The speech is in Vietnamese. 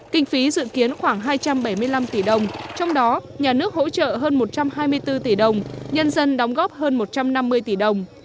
kinh phí dự kiến khoảng hai trăm bảy mươi năm tỷ đồng trong đó nhà nước hỗ trợ hơn một trăm hai mươi bốn tỷ đồng nhân dân đóng góp hơn một trăm năm mươi tỷ đồng